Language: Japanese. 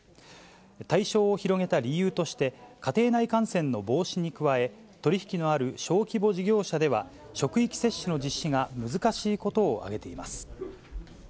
対象を広げた理由として、家庭内感染の防止に加え、取り引きのある小規模事業者では職域接種の実施が難しいことを挙げています。